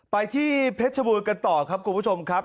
ไปที่เพชรบูรณ์กันต่อครับคุณผู้ชมครับ